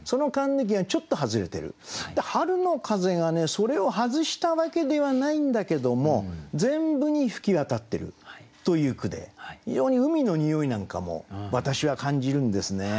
「春の風」がねそれを外したわけではないんだけども全部に吹き渡ってるという句で非常に海のにおいなんかも私は感じるんですね。